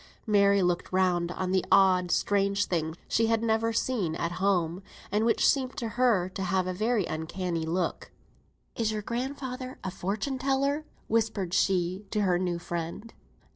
Mary looked round on the odd, strange things she had never seen at home, and which seemed to her to have a very uncanny look. "Is your grandfather a fortune teller?" whispered she to her new friend.